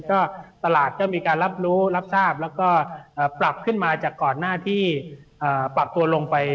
ก็ตลาดก็มีการรับรู้รับทราบแล้วก็ปรับขึ้นมาจากก่อนหน้าที่ปรับตัวลงไป